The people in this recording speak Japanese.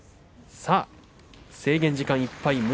制限時間いっぱい。